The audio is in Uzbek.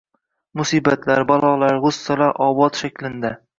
Musibatlar, balolalar, gʻussalar obod shaklinda